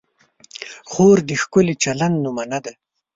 خور د ښکلي چلند نمونه ده.